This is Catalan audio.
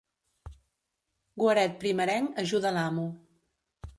Guaret primerenc ajuda l'amo.